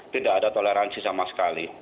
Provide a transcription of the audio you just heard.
tidak ada toleransi sama sekali